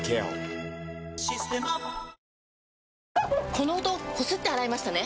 この音こすって洗いましたね？